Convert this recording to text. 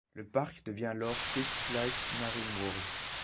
Le parc devient alors Six Flags Marine World.